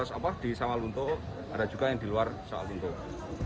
ada di luar di jawa tenggara ada juga yang di jawa tenggara